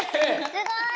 すごい！